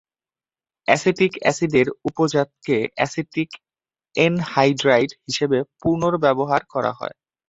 Acetic এসিডের উপজাতকে acetic এনহাইড্রাইড হিসেবে পুনর্ব্যবহার করা হয়।